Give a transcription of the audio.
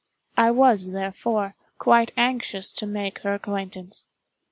I was, therefore, quite anxious to make her acquaintance.